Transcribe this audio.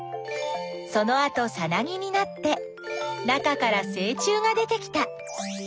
そのあとさなぎになって中からせい虫が出てきた。